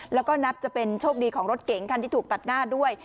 แล้วก็นับจะเป็นโชคดีของรถเก๋งคันที่ถูกตัดหน้าด้วย